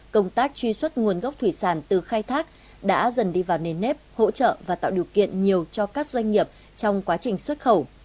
công tác truy xuất nguồn gốc thủy sản từ khai thác đã dần đi vào nền nếp hỗ trợ và tạo điều kiện nhiều cho các doanh nghiệp trong quá trình xuất khẩu